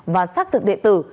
và xác thực đệ tử